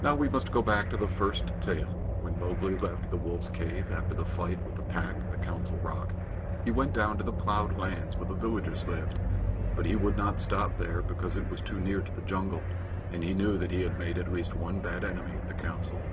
Now we must go back to the first tale. When Mowgli left the wolf's cave after the fight with the Pack at the Council Rock, he went down to the plowed lands where the villagers lived, but he would not stop there because it was too near to the jungle, and he knew that he had made at least one bad enemy at the Council.